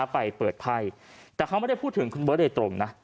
ไปเปิดไพ่แต่เขาไม่ได้พูดถึงคุณเบิร์ตโดยตรงนะ